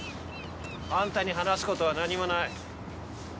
あんたに話す事は何もない。